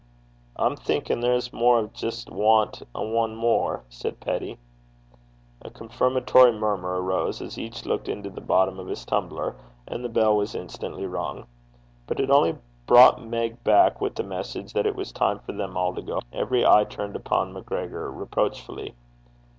'I'm thinkin' there's mair o' 's jist want ane mair,' said Peddie. A confirmatory murmur arose as each looked into the bottom of his tumbler, and the bell was instantly rung. But it only brought Meg back with the message that it was time for them all to go home. Every eye turned upon MacGregor reproachfully.